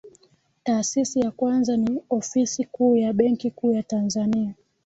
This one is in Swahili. taasisi ya kwanza ni ofisi kuu ya benki kuu ya tanzania